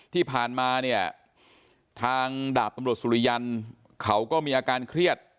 ที่ผ่านมาเนี่ยทางดาบตำรวจสุริยันเขาก็มีอาการเครียด